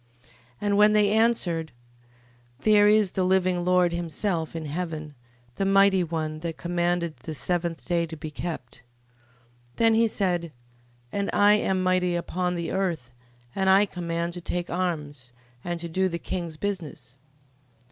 15:4. And when they answered: There is the living Lord himself in heaven, the mighty One, that commanded the seventh day to be kept. 15:5. Then he said: And I am mighty upon the earth, and I command to take arms, and to do the king's business.